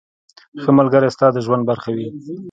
• ښه ملګری ستا د ژوند برخه وي.